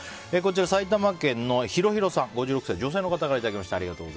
埼玉県の５６歳、女性の方からいただきました。